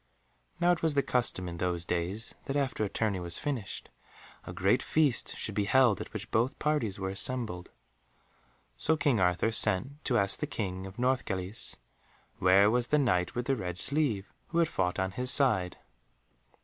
Now, it was the custom in those days that after a tourney was finished, a great feast should be held at which both parties were assembled, so King Arthur sent to ask the King of Northgalis, where was the Knight with the red sleeve, who had fought on his side.